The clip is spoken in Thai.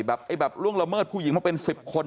แบบล่วงละเมิดผู้หญิงมาเป็น๑๐คน